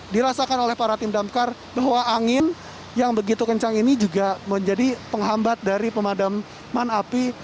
dirasakan oleh para tim damkar bahwa angin yang begitu kencang ini juga menjadi penghambat dari pemadaman api